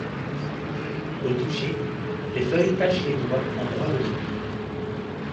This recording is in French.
Au toucher, les feuilles tachent les doigts en brun de rouille.